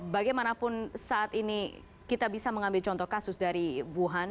bagaimanapun saat ini kita bisa mengambil contoh kasus dari wuhan